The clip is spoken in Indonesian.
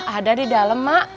ada di dalam mak